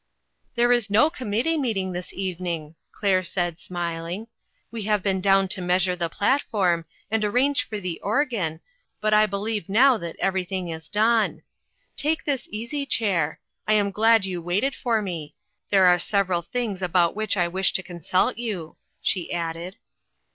"There is no committee meeting this even ing," Clarie said, smiling, " we have been down to measure the platform, and arrange for the organ, but I believe now that every thing is done. Take this easy chair. I am glad you waited for me. There are several things about which I wish to consult you," she added.